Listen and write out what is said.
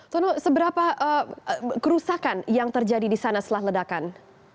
tono seberapa kerusakan yang terjadi di sana setelah ledakan